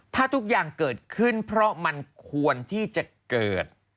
ถ้าทุกอย่างเกิดขึ้นเพราะมันควรที่จะเกิด